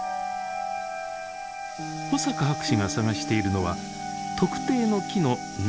保坂博士が探しているのは特定の木の根の近く。